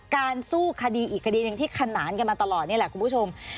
สู้คดีอีกคดีหนึ่งที่ขนานกันมาตลอดนี่แหละคุณผู้ชม